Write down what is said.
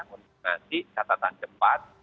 menyimpangkan catatan cepat